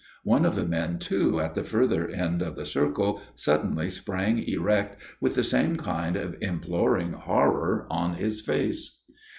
One of the men, too, at the further end of the circle suddenly sprang erect, with the same kind of imploring horror on his face.